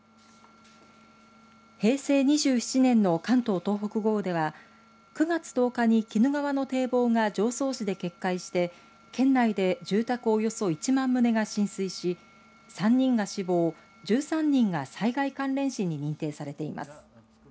平成２７年の関東・東北豪雨では９月１０日に鬼怒川の堤防が常総市で決壊して県内で住宅およそ１万棟が浸水し３人が死亡１３人が災害関連死に認定されています。